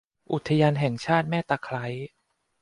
อุทยานแห่งชาติแม่ตะไคร้